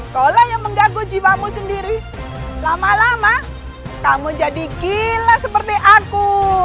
kola yang mengganggu jiwamu sendiri lama lama kamu jadi gila seperti aku